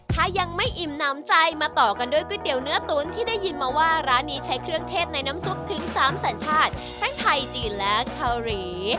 ถ้ายังไม่อิ่มน้ำใจมาต่อกันด้วยก๋วยเตี๋ยวเนื้อตุ๋นที่ได้ยินมาว่าร้านนี้ใช้เครื่องเทศในน้ำซุปถึง๓สัญชาติทั้งไทยจีนและเกาหลี